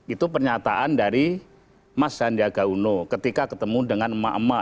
itu pernyataan dari mas sandiaga uno ketika ketemu dengan emak emak